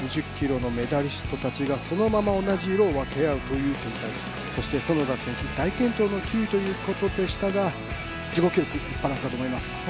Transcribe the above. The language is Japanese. ２０ｋｍのメダリストたちがそのまま同じ色を分け合うという展開、そして園田選手、大健闘の９位という結果でしたが自己記録。